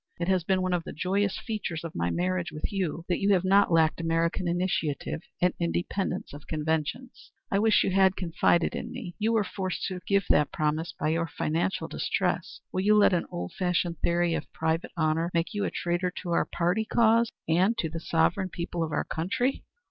It has been one of the joyous features of my marriage with you that you have not lacked American initiative and independence of conventions. I wish you had confided in me. You were forced to give that promise by your financial distress. Will you let an old fashioned theory of private honor make you a traitor to our party cause and to the sovereign people of our country?"